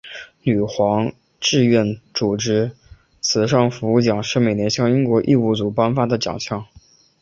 女皇志愿组织慈善服务奖是每年向英国义务组织颁发的奖项。